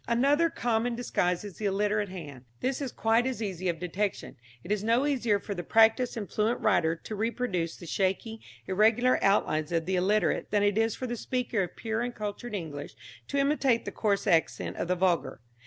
Another common disguise is the illiterate hand. This is quite as easy of detection. It is no easier for the practised and fluent writer to reproduce the shaky, irregular outlines of the illiterate, than it is for the speaker of pure and cultured English to imitate the coarse accent of the vulgar.